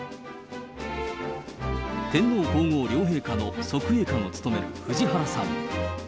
天皇皇后両陛下の側衛官を務める藤原さん。